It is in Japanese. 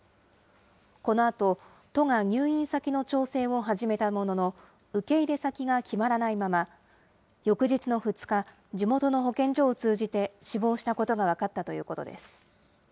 このあと、都が入院先の調整を始めたものの、受け入れ先が決まらないまま、翌日の２日、地元の保健所を通じて、死亡したことが分かったということです。